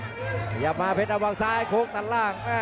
พยายามมาเพชรดำวางซ้ายโค๊กตัดล่าง